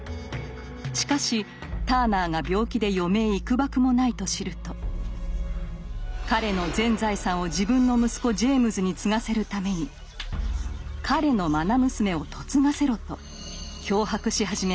しかしターナーが病気で余命いくばくもないと知ると彼の全財産を自分の息子ジェイムズに継がせるために彼のまな娘を嫁がせろと脅迫し始めました。